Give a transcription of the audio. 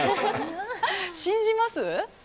信じます？